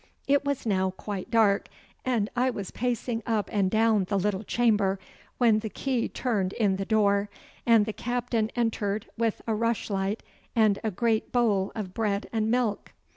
It was now quite dark, and I was pacing up and down the little chamber, when the key turned in the door, and the Captain entered with a rushlight and a great bowl of bread and milk.